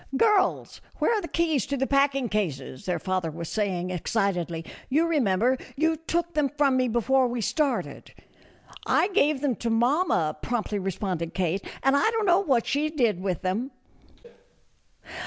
" Girls, where are the keys to the packing cases ?" their father was saying, excitedly; "you remember you took them from me before we started." "I gave them to mamma," promptly responded Kate, "and I don't know what she did with them."